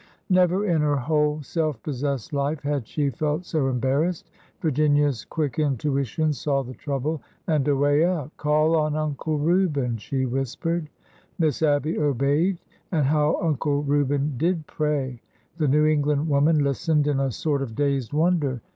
Never in her whole self possessed life had she felt so embar rassed. Virginia's quick intuition saw the trouble and a way out. Call on Uncle Reuben," she whispered. Miss Abby obeyed. And how Uncle Reuben did pray ! The New England woman listened in a sort of dazed wonder.